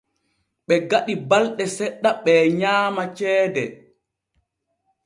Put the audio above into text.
Ɓe gaɗi balɗe seɗɗa ɓee nyaama ceede.